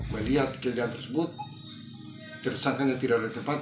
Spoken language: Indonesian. melihat kejadian tersebut tersangkanya tidak ada tempat